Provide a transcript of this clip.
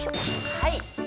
はい。